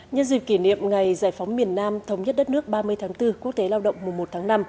nhân dịp kỷ niệm ngày giải phóng miền nam thống nhất đất nước ba mươi tháng bốn quốc tế lao động mùa một tháng năm